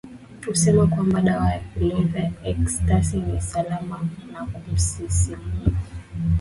husema kwamba dawa ya kulevya ya ecstasy ni salama na humsisimua